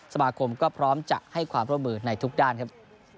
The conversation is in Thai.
สมาคมก็พร้อมจะให้ความร่วมมือในทุกด้านครับ